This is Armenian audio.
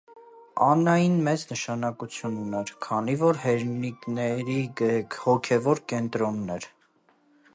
Անանյին մեծ նշանակություն ուներ, քանի որ հերնիկների հոգևոր կենտրոնն էր։